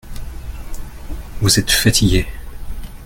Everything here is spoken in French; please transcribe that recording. Vous êtes fatigués.